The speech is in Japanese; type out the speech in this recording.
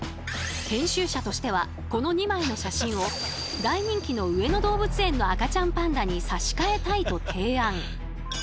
編集者としてはこの２枚の写真を大人気の上野動物園の赤ちゃんパンダに差し替えたいと提案。